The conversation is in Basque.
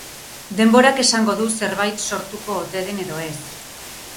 Denborak esango du zerbait sortuko ote den edo ez.